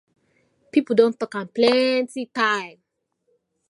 Pipu don tok am plenty time.